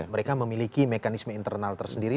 mereka memiliki mekanisme internal tersendiri